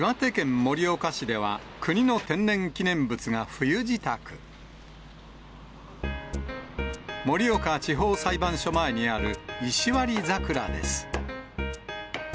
盛岡地方裁判所前にある、石割桜です。